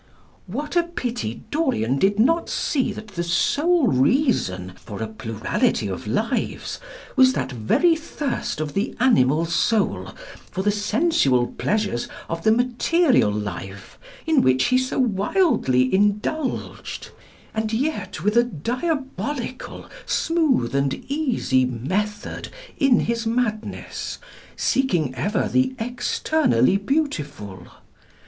" What a pity Dorian did not see that the sole reason for a plurality of lives was that very thirst of the animal soul for the sensual pleasures of the material life in which he so wildly indulged, and yet with a diabolical, smooth, and easy method in his madness, seeking ever the externally beautiful.